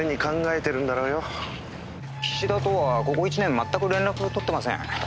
岸田とはここ１年全く連絡取ってません。